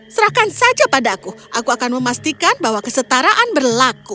serahkan saja padaku aku akan memastikan bahwa kesetaraan berlaku